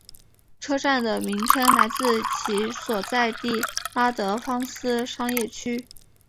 车站的名称来自其所在地拉德芳斯商业区。